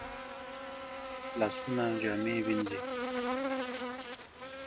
لاسونه جامې وینځي